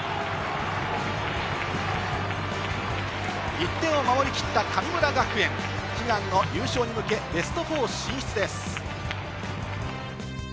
１点を守りきった神村学園、悲願の優勝に向けベスト４進出です。